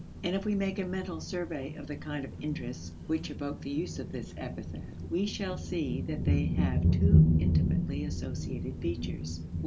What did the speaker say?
And if we make a mental survey of the kind of interests which evoke the use of this epithet, we shall see that they have two intimately associated features.